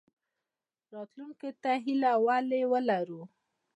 راتلونکي ته هیله ولې ولرو؟